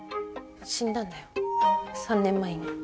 死んだんだよ３年前に。